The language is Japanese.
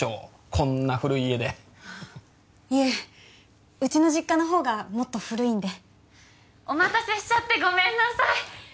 こんな古い家でいえうちの実家の方がもっと古いんでお待たせしちゃってごめんなさい